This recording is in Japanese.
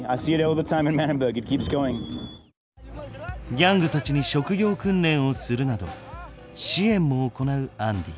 ギャングたちに職業訓練をするなど支援も行うアンディ。